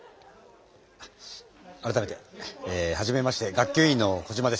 改めてえはじめまして学級委員のコジマです。